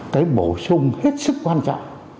cái bổ sung hết sức quan trọng